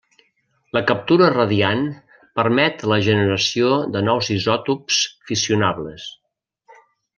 La captura radiant permet la generació de nous isòtops fissionables.